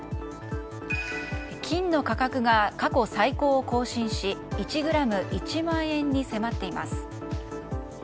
金の価格が過去最高を更新し１ｇ＝１万円に迫っています。